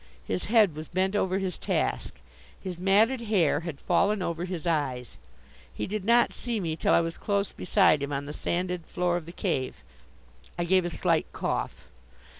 His head was bent over his task. His matted hair had fallen over his eyes. He did not see me till I was close beside him on the sanded floor of the cave. I gave a slight cough.